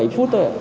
năm bảy phút thôi